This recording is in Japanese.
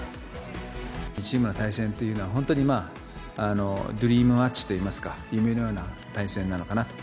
２チームの対戦というのは、本当にドリームマッチといいますか、夢のような対戦なのかな。